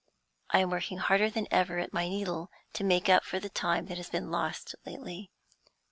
I am working harder than ever at my needle, to make up for the time that has been lost lately.